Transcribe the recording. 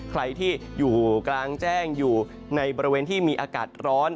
ใครที่อยู่กลางแจ้งอยู่ในบริเวณที่มีอากาศร้อน